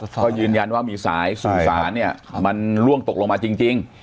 ก็ยืนยันว่ามีสายสื่อสารเนี่ยมันล่วงตกลงมาจริง